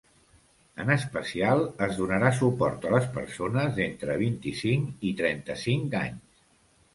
En especial, es donarà suport a les persones d'entre vint-i-cinc i trenta-cinc anys.